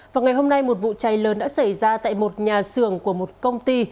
vào ngày hôm nay một vụ cháy lớn đã xảy ra tại một nhà xưởng của một công ty